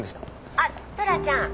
「あっトラちゃん」